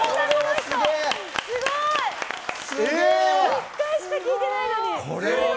１回しか聞いてないのに。